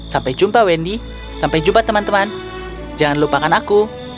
sampai jumpa wendy sampai jumpa teman teman jangan lupakan aku